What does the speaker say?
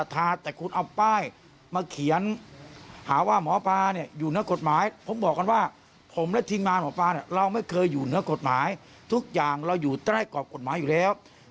ที่ปิดคุกติดตารังไปแล้ว